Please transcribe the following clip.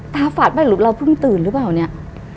ฝาดไหมหรือเราเพิ่งตื่นหรือเปล่าเนี่ย